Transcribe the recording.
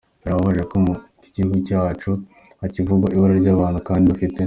Birabaje ko mu gihugu cyacu hakivugwa ibura ry’abantu kandi dufite